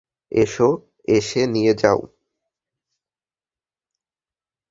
এসো এসে নিয়ে যাও।